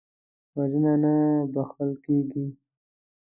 وژنه نه بخښل کېږي